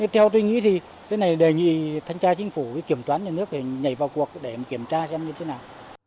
theo tôi nghĩ thì cái này đề nghị thanh tra chính phủ kiểm toán nhà nước nhảy vào cuộc để kiểm tra xem như thế nào